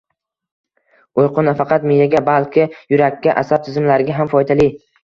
Uyqu nafaqat miyaga, balki yurakka, asab tizimlariga ham foydali.